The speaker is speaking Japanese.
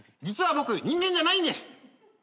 実は僕人間じゃないんです。